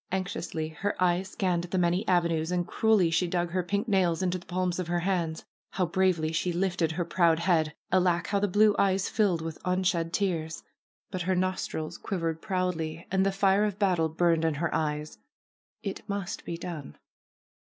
Anxiously her eyes scanned the many avenues and cruelly she dug her pink nails into the palms of her hands. How bravely she lifted her proud head ! Alack I how the blue eyes filled with unshed tears! But her nostrils quivered proudly and the fire of battle burned in her eyes. It must be done.